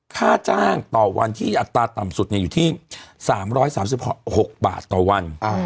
ค่าจ้างต่อวันที่อัตราต่ำสุดอยู่ที่๓๓๖บาทต่อวัน